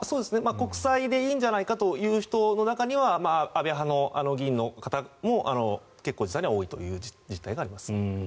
国債でいいんじゃないかという人の中には安倍派の議員の方も結構多いという実態があります。